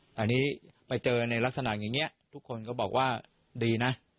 ตอนนี้ไปเจอในลักษณะอย่างนี้ทุกคนก็บอกว่าดีนะ